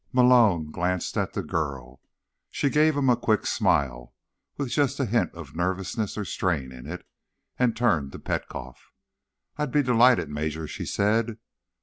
Malone glanced at the girl. She gave him a quick smile, with just a hint of nervousness or strain in it, and turned to Petkoff. "I'd be delighted, Major," she said.